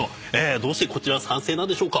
どうして賛成なんでしょうか？